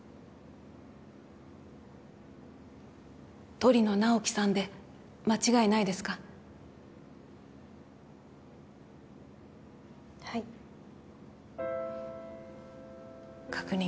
・鳥野直木さんで間違いないですかはい・確認